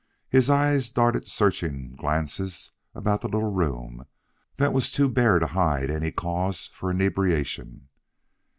His eyes darted searching glances about the little room that was too bare to hide any cause for inebriation.